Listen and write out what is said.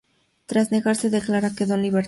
Tras negarse a declarar, quedó en libertad.